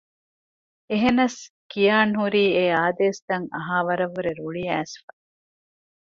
އެހެނަސް ކިޔާންހުރީ އެއާދޭސްތައް އަހާވަރަށްވުރެ ރުޅިއައިސްފަ